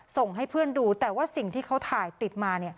ส่งให้เพื่อนดูแต่ว่าสิ่งที่เขาถ่ายติดมา